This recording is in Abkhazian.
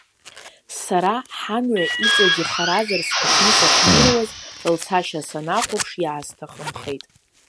Сара ҳамҩа иҵагь ихаразар сҭахны сахьнеиуаз лцашьа санахәаԥш иаасҭахымхеит.